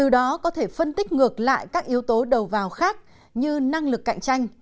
đó có thể phân tích ngược lại các yếu tố đầu vào khác như năng lực cạnh tranh